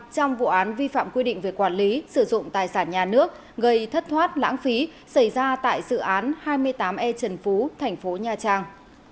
trong vụ án vi phạm quy định về quản lý sử dụng tài sản nhà nước gây thất thoát lãng phí xảy ra tại dự án hai mươi tám e trần phú thành phố nha trang